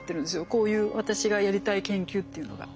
こういう私がやりたい研究っていうのが。